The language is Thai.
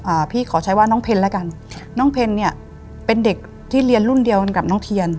พี่ขอใช้ว่าน้องเพนแล้วกันน้องเพนเนี้ยเป็นเด็กที่เรียนรุ่นเดียวกันกับน้องเทียน